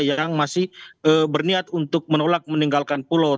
yang masih berniat untuk menolak meninggalkan pulau